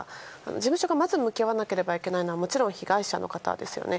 事務所が、まず向き合わなければいけないのはもちろん被害者の方ですよね。